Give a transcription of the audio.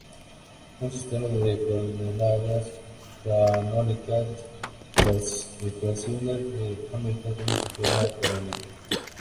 En un sistema de coordenadas canónicas las ecuaciones de Hamilton toman su forma canónica.